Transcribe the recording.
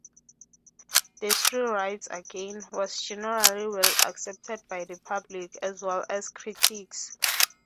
"Destry Rides Again" was generally well accepted by the public, as well as critics.